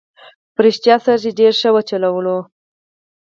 په رښتیا سره یې ډېره ښه چلوله.